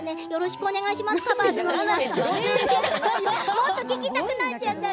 もっと聴きたくなっちゃった。